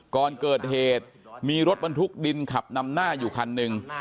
ก่อนเกิดเหตุมีรถบรรทุกดินขับนำหน้าอยู่คันหนึ่ง